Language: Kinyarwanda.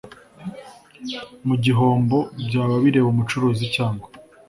Ku gihombo byaba bireba umucuruzi cyangwa